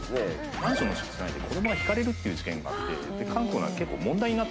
マンションの敷地内で子供がひかれるっていう事件があって韓国の中で結構問題になった。